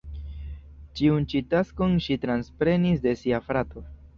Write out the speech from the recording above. Tiun ĉi taskon ŝi transprenis de sia frato.